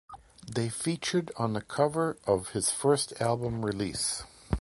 They featured on the cover of his first album release.